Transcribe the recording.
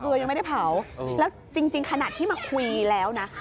ยังไม่ได้เผาแล้วจริงขนาดที่มาคุยแล้วนะ